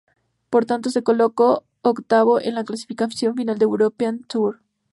Por tanto, se colocó octavo en la clasificación final del European Tour.